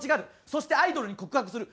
そしてアイドルに告白する。